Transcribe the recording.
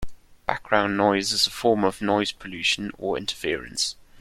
Background noise is a form of noise pollution or interference.